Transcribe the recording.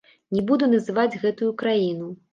Не буду называць гэтую краіну.